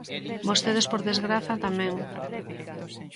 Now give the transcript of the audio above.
Vostedes por desgraza tamén.